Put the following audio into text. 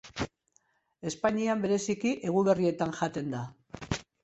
Espainian bereziki Eguberrietan jaten da.